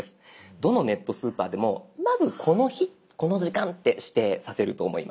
どのネットスーパーでもまずこの日この時間って指定させると思います。